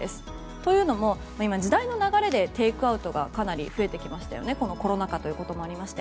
というのも今時代の流れでテイクアウトが増えてきましたよねコロナ禍ということもありまして。